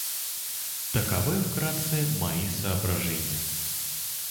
Таковы вкратце мои соображения.